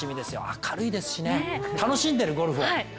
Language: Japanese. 明るいですしね、楽しんでる、ゴルフを。